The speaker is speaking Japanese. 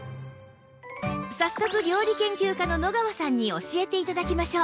早速料理研究家の野川さんに教えて頂きましょう